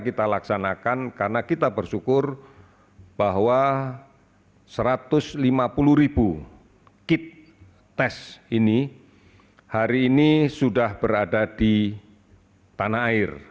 kita laksanakan karena kita bersyukur bahwa satu ratus lima puluh ribu kit tes ini hari ini sudah berada di tanah air